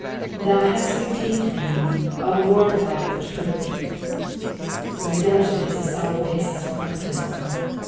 " Thou htut Ttdetmed me, 0 Lord Ood of truth.''' Redemption is a solid basis for confidence.